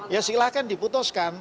ya silahkan diputuskan